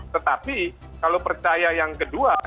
tetapi kalau percaya yang kedua